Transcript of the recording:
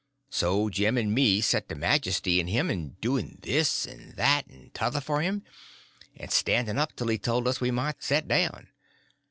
So Jim and me set to majestying him, and doing this and that and t'other for him, and standing up till he told us we might set down.